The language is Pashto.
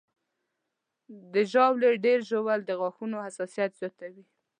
د ژاولې ډېر ژوول د غاښونو حساسیت زیاتوي.